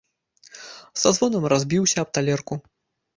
Са звонам разбіўся аб талерку.